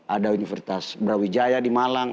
ada universitas brawijaya di malang